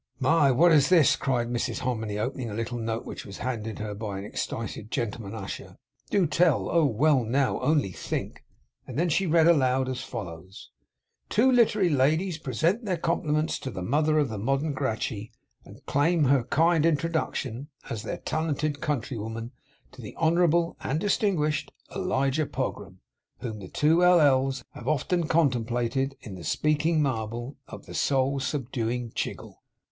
'My! what is this!' cried Mrs Hominy, opening a little note which was handed her by her excited gentleman usher. 'Do tell! oh, well, now! on'y think!' And then she read aloud, as follows: 'Two literary ladies present their compliments to the mother of the modern Gracchi, and claim her kind introduction, as their talented countrywoman, to the honourable (and distinguished) Elijah Pogram, whom the two L. L.'s have often contemplated in the speaking marble of the soul subduing Chiggle.